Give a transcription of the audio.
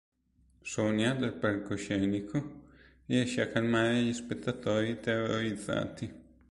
Sonya, dal palcoscenico, riesce a calmare gli spettatori terrorizzati.